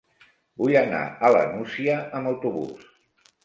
Vull anar a la Nucia amb autobús.